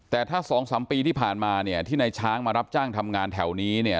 แต่ถ้าสองสามปีที่ผ่านมาเนี่ยที่นายช้างมารับจ้างทำงานแถวนี้เนี่ย